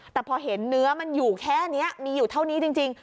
แต่พอเห็นเนื้อมันอยู่แค่นี้มีอยู่เท่านี้จริง